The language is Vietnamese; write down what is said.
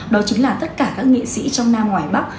đó chính là tất cả các nghệ sĩ trong nam ngoài bắc